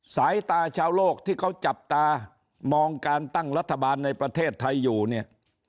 สายตาชาวโลกที่เขาจับตามองการตั้งรัฐบาลในประเทศไทยอยู่เนี่ย